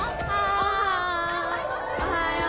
おはよう。